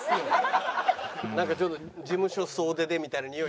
なんかちょっと事務所総出でみたいなにおい。